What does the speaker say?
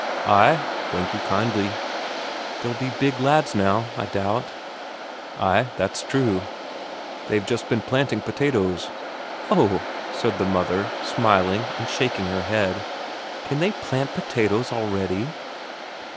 "Ay, thank you kindly." "They'll be big lads now, I doubt?" "Ay, that's true. They've just been planting potatoes." "Oh!" said the mother, smiling, and shaking her head. "Can they plant potatoes already?"